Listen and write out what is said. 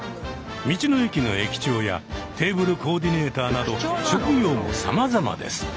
道の駅の駅長やテーブルコーディネーターなど職業もさまざまです。